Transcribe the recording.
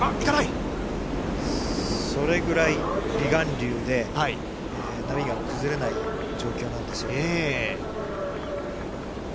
それぐらい離岸流で、波が崩れない状況なんですね。